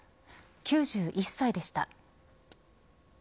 ９１歳でした。